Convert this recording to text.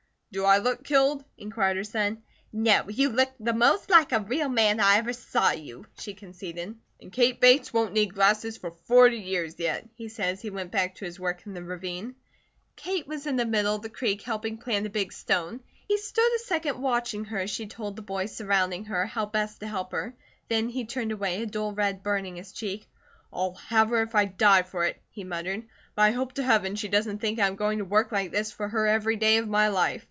"Do I look killed?" inquired her son. "No. You look the most like a real man I ever saw you," she conceded. "And Kate Bates won't need glasses for forty years yet," he said as he went back to his work in the ravine. Kate was in the middle of the creek helping plant a big stone. He stood a second watching her as she told the boys surrounding her how best to help her, then he turned away, a dull red burning his cheek. "I'll have her if I die for it," he muttered, "but I hope to Heaven she doesn't think I am going to work like this for her every day of my life."